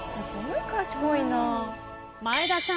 前田さん